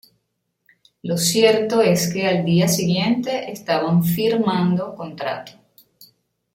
Lo cierto es que al día siguiente estaban firmando contrato.